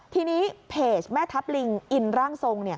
ทีนี้เพจแม่ทัพลิงอินร่างทรง